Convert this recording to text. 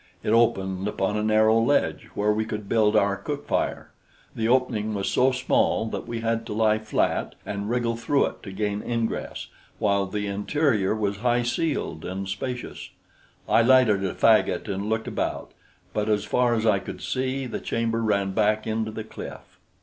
It opened upon a narrow ledge where we could build our cook fire; the opening was so small that we had to lie flat and wriggle through it to gain ingress, while the interior was high ceiled and spacious. I lighted a faggot and looked about; but as far as I could see, the chamber ran back into the cliff.